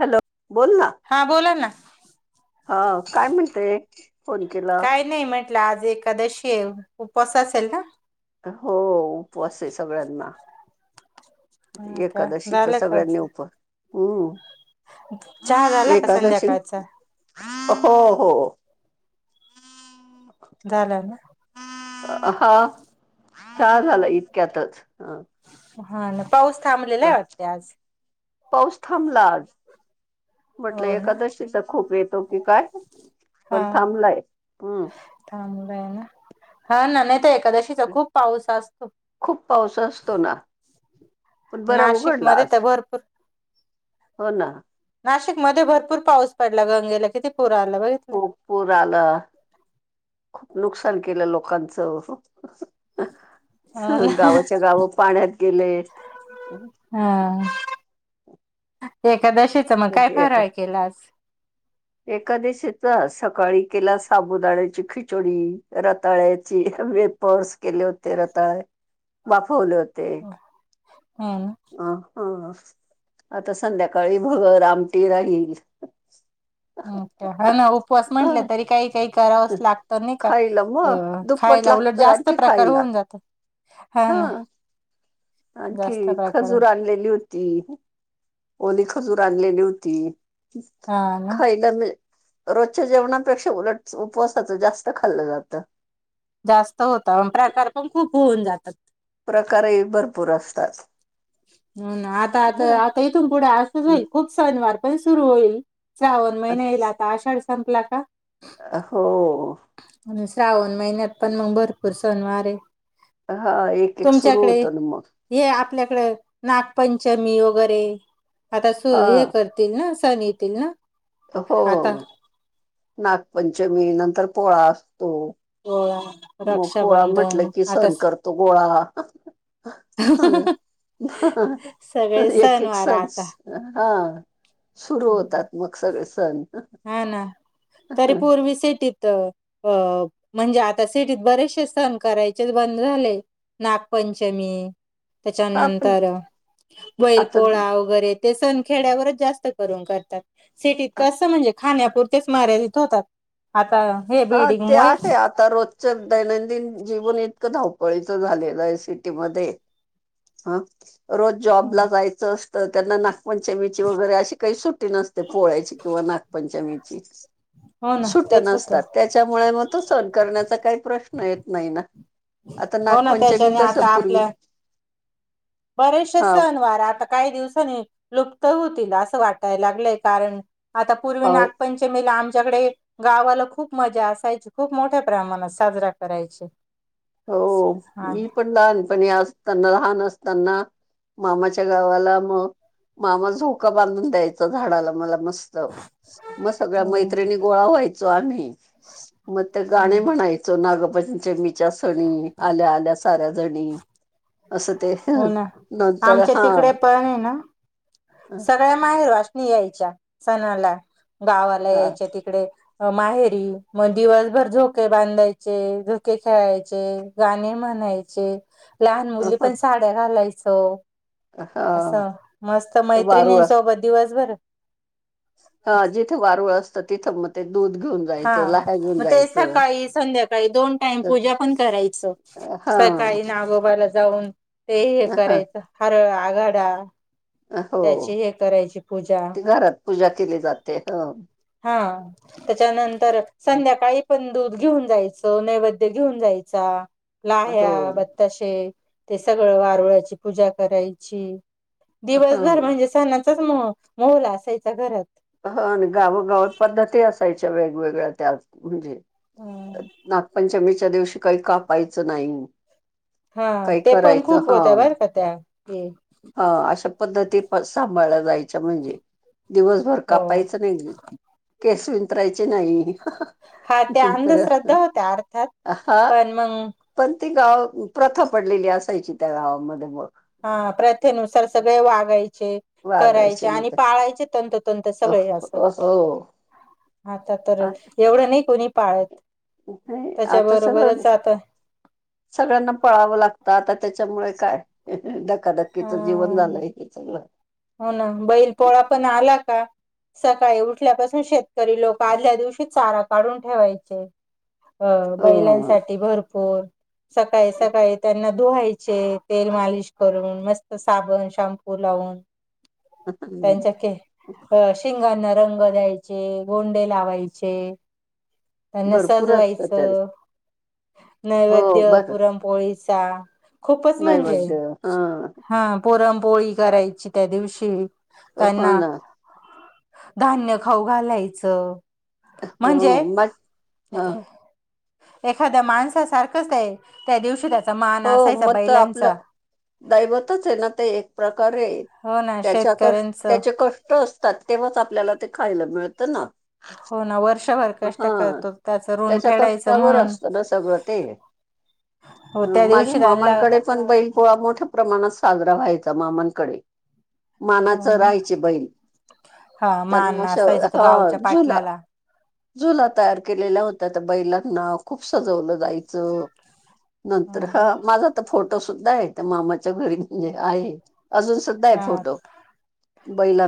Hello, बोल ना हा बोला ना हा काय म्हणते? फोन केला काय नाही म्हंटलं आज एकादशी ये, उपवास असेल ना? हो उपवास ये सगळ्यांना. हा का एकादशीचा झालं का सगळ्यांनी उपव हम्, चहा झाला का एकादशी संध्याकाळचा हो- हो. झालं ना. हा चहा झाला इतक्यातचं, हं हो ना, पाऊस थांबलेला आहे वाटते आज? पाऊस थांबला आज, म्हटलं हो ना एकादशीचा खूप येतो की काय? पण थांबलाय, हम्. थांबलं ये ना, हा ना नाही तर एकादशीचा खूप पाऊस असतो. खूप पाऊस असतो ना, पण बरा नाशिक उघडला मध्ये आज. तर भरपूर हो ना. नाशिकमध्ये भरपूर पाऊस पडला, गंगेला किती पुर आला बघि खुप पूर आला. खूप नुकसान केलं लोकांचं. हो ना हं गावंच्या- गावं पाण्यात गेलेत. हा, एकादशीचा मग काय फरळ केला आज? [inaudible] एकादशीेचा सकाळी केला साबुदाण्याची खिचंडी, रताळ्याची वे पर्स केले होते, रताळे वाफवले होते. हा-हं हं- हा, आता संध्याकाळी भगर आमटी राहील. हा ना उपवास म्हंटलं ह तरी काही -काही करावंच लागतं नाही का? मं अ दुप्पट खायला उलट लागतं जास्त आणखी प्रकार खायला. होऊन जातात. हा आणखी जास्त प्रकार खजूर आणलेली हो ती, ओली खजूर आणलेली होती. हा ना पहिल्या म्ह, रोजच्या जेवणापेक्षा उलट उपवासाचं जास्त खाल्लं जातं. जास्त होता, आओ प्रकार पण खूप होऊन जातात. प्रकारही भरपूर असतात. हो ना, आता-आता, आता इथून पुढे असंच होईल, खूप सणवार पण सुरू होईल. श्रावण महिना येईलं आता, आषाढ संपला का. अं हो. आणि श्रावण महिन्यात पण मग भरपूर सणवार ये हा, एक- एक सुरू होतो ना मं. हे आपल्याकडे नागपंचमी वगैरे आता सु हा हे कर सुरू होतील ना सण येतील ना हो आता नागपंचमी नंतर पोळा असतो. पोळा. मग पोळा रक्षाबंधन म्हटलं की सण आताच करतो गोळा. सगळे एक एक सणवार सज, आता हा. सुरू होतात मग सगळे सण. ती सिटीत. तर अं म्हणजे आता सिटीत बरेचसे सण करायचेच बंद झाले. नागपंचमी. हा पण त्याच्यानंतर बैल आता पोळा वैगरे ते सण खेड्यावरच जास्त करून करतात. सिटीत कसं म्हणजे खाण्यापुरतेच मर्यादित होतात आता हे हा बिल्डिंग ते मुळे आहे आत. आता रोजच दैनंदिन जीवन इतकं धावपळीचं झालेलंय सिटीमध्ये. हा, रोज जॉबला जायचं असतं त्यांना ना पंचमीची वगैरे अशी काही सुट्टी नसते पोळ्याची किंवा नागपंचमीची. हो ना सुट्या तेच होतं. नसतात त्याच्यामुळे म तो सण करण्याचा काही प्रश्न येत नाही ना. आता हो ना नागपंचमी त्याच्याने कसं आता पूर्वी आपल्या बरेचसे हा सण वार आता काही दिवसाांनी लुप्त होतील असं वाटाय लागलंय कारण आता पूर्वी नागपंचमीेला आमच्याकडे गावाला खूप मजा असायची. खूप मोठ्या प्रमाणात साजरा करायची. हो हा मी पण लहानपणी असताना. लहान असताना मामाच्या गावाला मग मामा झोका बांधून द्यायचा झाडाला मला मस्त. म सगळ्या हो मैत्रिणी गोळा व्हायचो आम्ही मग ते गाणी ना म्हणाय च नागपंचमीच्या सनी, आल्या आल्या साऱ्या जणी. असं ते हो ना नंतर आमच्या हा तिकडे पणय ना सगळ्या माहेर वाशणी यायच्या सणाला गावाला हा यायच्या तिकडे. माहेरी मग दिवसभर झोके बांधायचे झोके खेळायचे. गाणी म्हणायचे. लहान मुली पण साड्या घालायचो. हा असं मस्त मैत्रिणी वारूळ सो म दिवसभर हा जिथं वारूळ असतं तिथ म ते दूध घेऊन. हा जायचं लाह्या घेऊन म ते जायचं सकाळी संध्याकाळी दोन टाइम पूजा पण करायचं. हा सकाळी नागोबाला जाऊन, ते हे ह करायचं हारळ आघाडा हो त्याची हे करायची पूजा घरात पूजा केली जाते. हो. हा त्याच्यानंतर संध्याकाळी पण दूध घेऊन जायचं, नैवेद्य घेऊन जायचा, हो लाह्या ब बत्ताशे ते सगळं, वारुळाची पूजा करायची ह दिवस ते सणाचाच मो माहोल असायचा घरात. हं आण गावगावात पद्धती असायच्या, वेगवेगळ्या त्यात पूर्वी. घरात नागपंचमीच्या दिवशी काही कापायचं नाई. हा ते पण खूप होत्या बर का त्या. हे हा. अशा पद्धती पण सांभाळल्या जायच्या म्हणजे. दिवसभर हो कापायचं नाय केस विंचरायचे नाई. हां त्या अंधश्रद्धा होत्या अर्थात हा पण मंग पण ती गाव प्रथा पडलेली असायची त्या गावामध्ये मग. हां प्रथेनुसार सगळे वागायचे वागायचे करायचे मग आणि तस पाळायचे तंतोतंत हो सगळे असं. हो. आता तर एवढं नयी कोणी पाळत. इथे त्याच्या आता सगळं बरोबरच आता सगळ्यांना पळावं लागतं आता त्याच्यामुळे काय [inaudible] धक काधक्कीच जीवन झालंय हे सगळं. हों नां बैल पोळा पण आला का- सकाळी उठल्यापासून शेतकरी लोक आदल्या दिवशीच चारा काढून ठेवायचे अं हो बैलांसाठी भरपूर सकाळी सकाळी त्यांना धुवायचे तेल मालिश करून मस्त साबण, शॅम्पू लावून त्यांचे के शिंगांना रंग द्यायचे, गोंडे लावायचे त्यांना भरपूर असत तर सजवायचं, हो नैवेद्य बर पुरणपोळीचा. नैवेद्य हां. हां पुरणपोळी करायची त्या दिवशी हो त्यांना ना धान्य खाऊ घालायचं हो म्हंजे [inaudible] मग हा एखाद्या माणसा सारखाच ते त्यादिवशी त्याचा मान असायचा बैलांचा. दैवतचयं नां ते एक प्रकारे हो ना त्याच्या कष शेतकऱ्यांचं त्याचे कष् टअसतात तेव्हाच आपल्याला ते खायला मिळतं ना. हो ना वर्षभर कष्ट हां करतो त्याचं ऋण त्याच्या फेडायचं कष्टावर म्हणून असतं ना सगळं ते. हो त्या अं माझ्या दिवशी त्यांला मामांकडे पण बैल पोळा मोठ्या प्रमाणात साजरा व्हायचा मामांकडे. मानाचं राहयचे बैल. हा त्यांना मान श असायचा तो गावच्या हं झुला पाटलाला झुला तयार केलेल्या होत्या त्या बैलांना खूप सजवलं जायचं. नंतर हम्म, हां माझा तर फोटो सुद्धा आहे त्या मामाच्या घरी म्हणजे आहे अजून सु -ध्दायं हा फोटो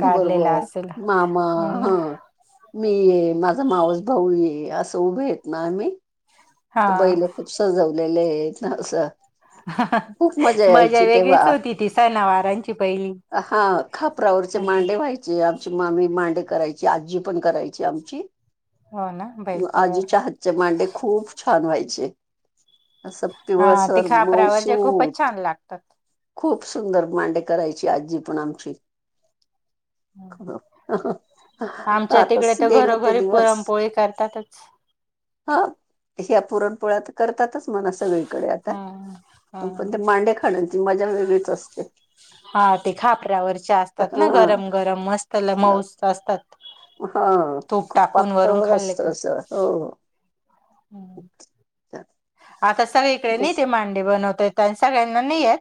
काढलेला असेल मामा हो ना हा मी यें माझा माऊस भाऊ यें असं उभेयेंत नां आम्ही. त हा बैल खूप सजवलेलेयेंत ना असं. [inaudible] खूप मजा यायची तेव्हा वेगळीच होती ती सणावारांची पहिली हां खापरावरचे मांडे व्हाय जे आमची मामी मांडे करायची, आजी पण करायची आमची. हो ना बैल म पोळ्याला आजीच्या हातचे मांडे खूप छान व्हायचे. असं हा ते पिवळसवर खापरावरच्या खूपच मऊसुत छान लागतात खूप सुंदर मांडे करायची आज्जी पण आमची ख [inaudible] आमच्या तिकडे आतास तर गेलं ते घरोघरी दिवस पुरणपोळी करतातच हा ह्या पुरणपोळ्या त करतातच म्हणा सगळीकडे आता, हम्म हम्म पण ते मांडे खाण्याची मजा वेगळीच असते. हां ते खापरावरचे असतात नां हा गरम गरम मस्त ल मऊसुत असतात. हां तूप खूप टाकून वरून पातळ असतं असं हों. हम्म. आता सगळीकडे नाही का मांडे बनवता येत आणि सगळ्यांना नाही येत.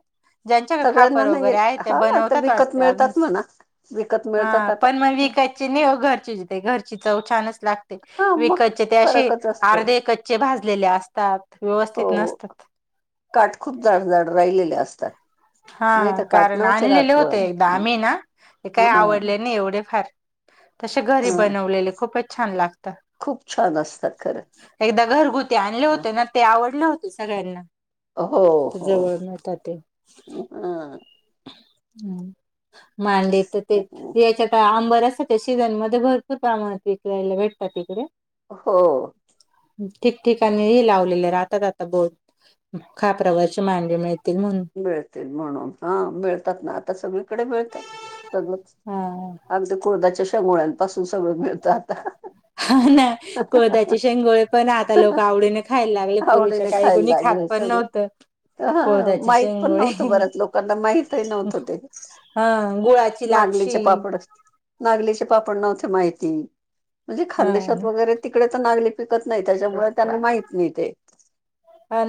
ज्यांच्याकड सगळ्यांना खापर नाही वगैरे येत हायत ते हा आता बनवतात विकत वाटतं अजून मिळतात म्हणा विकत मिळतात हां आता पण मग विकाय ची नयी ओं घरची ते घरची चव छानचं लाग हा मग विकतचे ते अशे फरकच असतो अर्धे कच्चे भाजलेले असतात, व्यवस्थित हो नसतात. काठ खूप जाडजाड राहिलेले असतात. हा नाही तर काठ कारण नव्हते राहत आणलेले पोळ्यात होते एकदा आम्ही ना ते काही हा आवडले नाही एवढे फार. तशे घरी हा बनवलेले खूपचं छान लागतं. खूप छान असतात खरं. एकदा घरगुती आणले होते ना ते आवडले होते सगळ्यांना. हो हो जवळ हम्म. मांडीचं ते हेच्यात का अंबऱ्यासाठी सीझन मध्ये भरपूर प्रमाणात विकयला भेटतात तिकडे. हो. ठीकठीकाणी हे लावलेले राहतात आता बोत खाप्रावरची मांगी मिळतील म्हणून. मिळतील म्हणून. हा मिळतात ना आता सगळीकडे मिळतात. सगळंच हा आमच्या कुर्दाच्या शमुळ्यांपासुन सगळं मिळत जातं. हा ना कोळद्याचे शेंगोळे पण आता लोक आवडीने खायला लागले पूर्वीच्या काळी कुणी खात पण नव्हते. तं. हं मा हित पण नवतं बऱ्याच लोकांना माहित हे न्हवतं ते हा गुळाची लापशी मांदलीचेपापड नागलीचे पापड न्हवते माहिती. म्हणजे हा खांदेशात वगैरे तिकडं तर नागली पिकत नाही. त्याच्यामुळे त्यांना माहत नाही ते.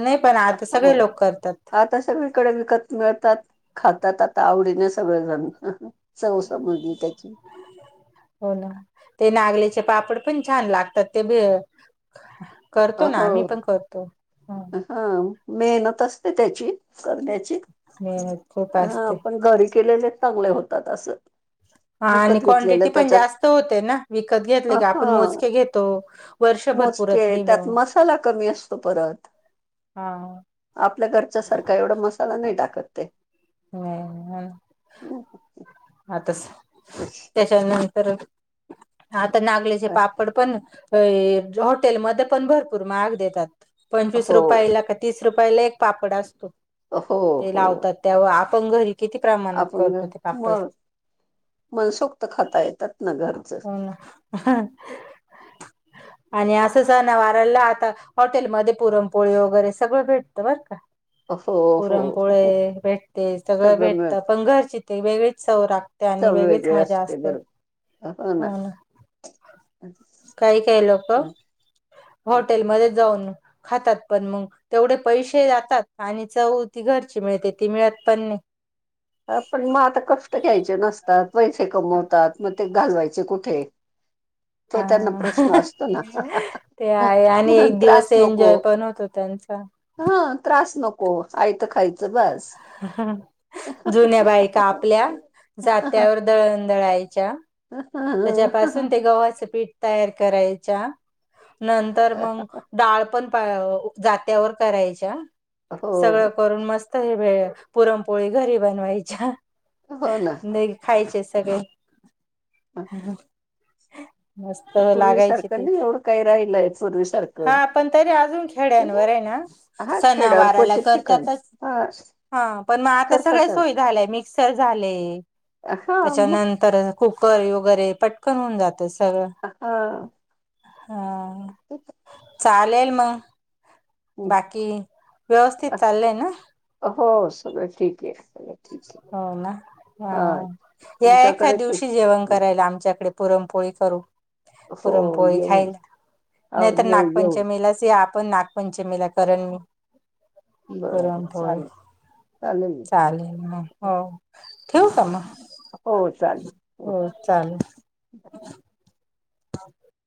नाय पण आता हां सगळे लोक करतात. आता सगळीकडे विकत मिळतात खातात आता आवडीने सगळेजण. चव समजली त्याची. हो ना, ते नागलीचे पापड पण छान लागतात ते भ करतो ना आम्ही हो. पण करतो हं. हा. मीयेना तस्ती त्याची करद्याची मेहनत खूप हा असते पण घरी केलेलेच चांगले होतात असं. हा आणि विकत घेतलेलं क्वांटिटी पण त्याच्यात जास्त होते ना विकत घेतले हा का आपण मोजके घेतो. वर्षभर पुरत मोजके नाही त्यात मग मसाला कमी असतो परत. हा आपल्या घरच्यासारखा एवढा मसाला नाही टाकत ते. हं, हां तसं तेच. त्या त्यानंतर आता नागल्याचे अ, पाप पड पण ये हॉटेलमध्ये पण भरपूर महाग देतात. पंवीस हो रुपयाला का तीस रुपयाला एक पापड असतो हो ते हो लावतात त्यावर आपण घरी किती प्रमाणात आपण करतो घ- ते पापड. मग मनसोक्त खाता येतात ना घरचं. हा. आणि असं सना वाराला आता हॉटेलमध्ये पुरणपोळी वगैरे सगळं भेटतं बर का. हो पुरणपोळे हो भेटते सगळं भेटतं. पण घरची ती वेगळीच चव रागते आणि वेगळीच मजा असते. अ ना. काय काय लोकं हॉटेलमध्येच जाऊन खातात पण मंग, तेवढे पैसे जातात आणि चव ती घरची मिळते ती मिळत पण नाय. पण मग आता कष्ट घ्यायचे नसतात, पैसे कमवतात मग ते घालवायचे कुठे? तो त्यांना प्रश्न हा. असतो ना. ते आहे आणि एक त्रास दिवस नको. एन्जॉय पण होतो त्यांचा हा त्रास नको. आयत खायचं बस. [unintelligible] जुन्या बायका आपल्या जात्यावर दळण दळायच्या त्याच्यापासून ते गव्हाच पीठ तयार करायच्या, नंतर मग डाळ पण प जात्यावर करायच्या. हो सगळं करून मस्त हे पुरण पोळी घरी बनवायच्या. हो ना. ते खायचे सगळे. मस्त आता लागायची पूर्वीसारखं ते. नाही एवढं काही राहिलय पूर्वीसारखं. हा पण तरी अजून खड्यांवर आहे ना. सणावाराला करतातच. ह. हा पण मग आता सगळे सोय झाल्या. मिक्सर झाले. हा मग त्याच्यानंतर तर कुकर वगैरे पटकन होऊन जातं सगळं. हा. हा. [unintelligible] चालेल मग. बाकी व्यवस्थित चाललंय ना? हो. सगळ ठीक आहे. ठीक आहे. हो ना. हा. या एखाद तुमच्याकडे ठीक दिवशी जेवण आहे? करायला आमच्याकडे. पुरमपोळी करू. हो पुरमपोळी येऊ खायला. हो नाहीतर, येऊ नागपंचमीलाच या आप पण नागपंचमीला कारण बरोबर पुरणपोळी. चालेल चालेल ना. हो. ठेवू का मग. हो चालेल. हो चालेल. [unintelligible]